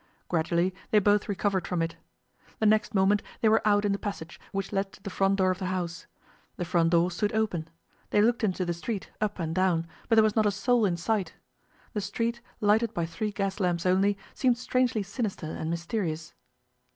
Gradually they both recovered from it. The next moment they were out in the passage which led to the front door of the house. The front door stood open. They looked into the street, up and down, but there was not a soul in sight. The street, lighted by three gas lamps only, seemed strangely sinister and mysterious.